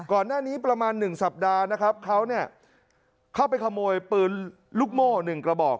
ก่อนหน้านี้ประมาณ๑สัปดาห์นะครับเขาเนี่ยเข้าไปขโมยปืนลูกโม่๑กระบอก